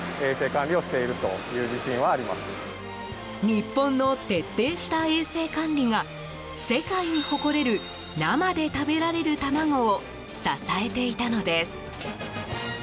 日本の徹底した衛生管理が世界に誇れる生で食べられる卵を支えていたのです。